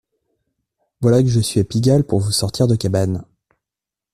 voilà que je suis à Pigalle pour vous sortir de cabane